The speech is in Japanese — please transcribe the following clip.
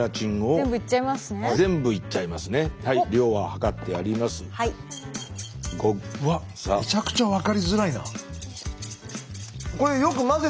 うわめちゃくちゃ分かりづらいな。